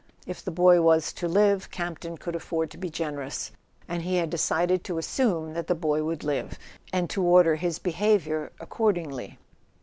If the boy was to live Campton could afford to be generous; and he had decided to assume that the boy would live, and to order his behaviour accordingly.